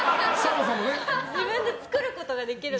自分で作ることができるので。